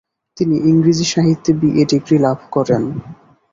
তিনি ইংরেজি সাহিত্যে বিএ ডিগ্রি লাভ করেন।